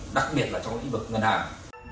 đặc biệt là trong lĩnh vực ngân hàng